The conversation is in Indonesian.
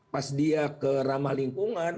pas dia ke ramah lingkungan